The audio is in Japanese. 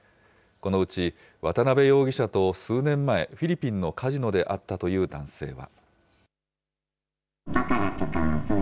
このうち、渡邉容疑者と数年前、フィリピンのカジノで会ったという男性は。